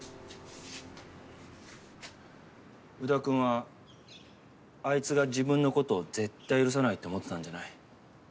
宇田くんはあいつが自分の事を絶対許さないと思ってたんじゃない？